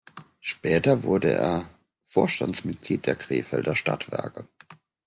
Später wurde er Vorstandsmitglied der Krefelder Stadtwerke.